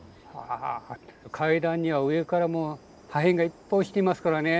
階段には上からも破片がいっぱい落ちていますからね。